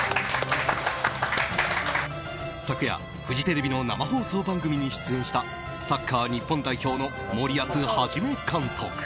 昨夜、フジテレビの生放送番組に出演したサッカー日本代表の森保一監督。